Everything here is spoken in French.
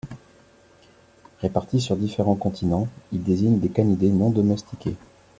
Répartis sur différents continents, ils désignent des canidés non domestiqués.